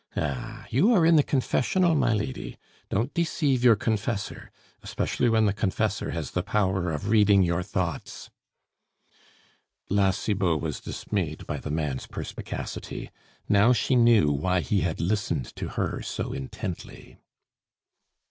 Ah! you are in the confessional, my lady! Don't deceive your confessor, especially when the confessor has the power of reading your thoughts." La Cibot was dismayed by the man's perspicacity; now she knew why he had listened to her so intently.